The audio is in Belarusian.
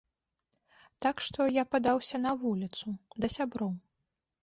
Так што, я падаўся на вуліцу, да сяброў.